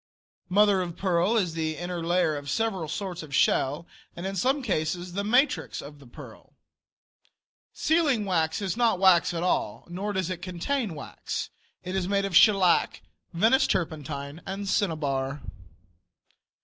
Mother of pearl is the inner layer of several sorts of shell, and in some cases the matrix of the pearl. Sealing wax is not wax at all nor does it contain wax. It is made of shellac, Venice turpentine and cinnabar.